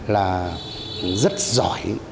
là rất giỏi